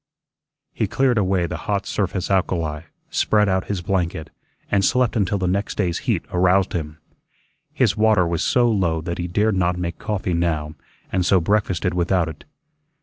He cleared away the hot surface alkali, spread out his blanket, and slept until the next day's heat aroused him. His water was so low that he dared not make coffee now, and so breakfasted without it.